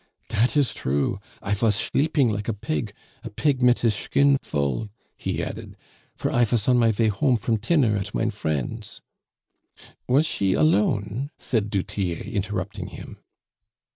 "Dat is true; I vas shleeping like a pig a pig mit his shkin full," he added, "for I vas on my vay home from tinner at mine friend's " "Was she alone?" said du Tillet, interrupting him.